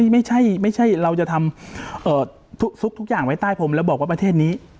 ไม่ใช่เราจะทำทุกอย่างไว้ใต้พรมแล้วบอกว่าประเทศนี้